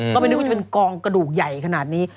ก็ไม่นึกว่าจะเป็นกองกระดูกใหญ่ขนาดนี้